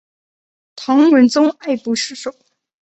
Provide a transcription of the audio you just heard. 唐文宗爱不释手。